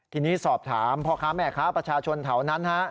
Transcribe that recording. ทีนี้สอบถามพ่อค้าแม่ค้าประชาชนแถวนั้น